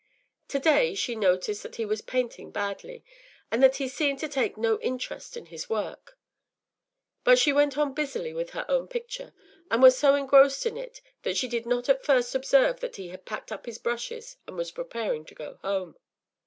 To day she noticed that he was painting badly, and that he seemed to take no interest in his work; but she went on busily with her own picture, and was so engrossed in it that she did not at first observe that he had packed up his brushes and was preparing to go home.